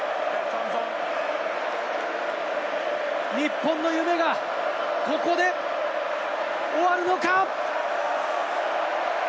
日本の夢が、ここで終わるのか？